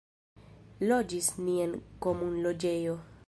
Loĝis ni en komunloĝejo.